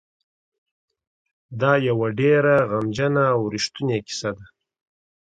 دا یوه ډېره غمجنه او رښتونې کیسه ده.